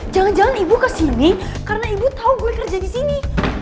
jangan jangan ibu kesini karena ibu tahu gue kerja di sini